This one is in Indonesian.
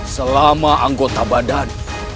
selama anggota badannya